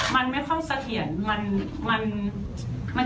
มันไม่ค่อยเสร็จ